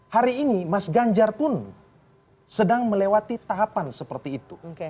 hari ini mas ganjar pun sedang melewati tahapan seperti itu